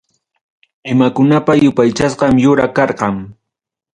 Inkakunapa yupaychasqam yura karqa.